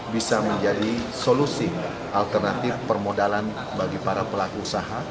bisa menjadi solusi alternatif permodalan bagi para pelaku usaha